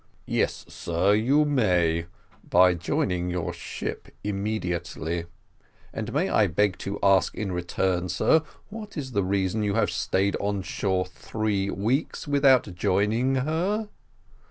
"Yes, sir, you may by joining your ship immediately. And may I beg to ask in return, sir, what is the reason you have stayed on shore three weeks without joining her?"